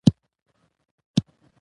دويمه اصلي موضوع مې مشهورسبکونه دي